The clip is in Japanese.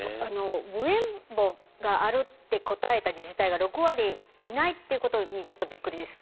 無縁墓があるって答えた自治体が６割いないということにちょっとびっくりです。